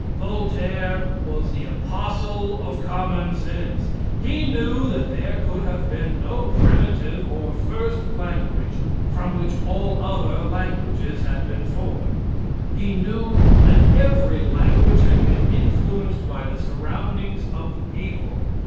Voltaire was the apostle of common sense. He knew that there could have been no primitive or first language from which all other languages had been formed. He knew that every language had been influenced by the surroundings of the people.